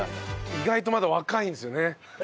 意外とまだ若いんですよね。